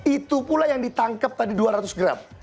itu pula yang ditangkap tadi dua ratus gram